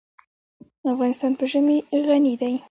افغانستان په ژمی غني دی.